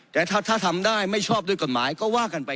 แต่ถ้าทำได้ไม่ชอบด้วยกฎหมายก็ว่ากันไป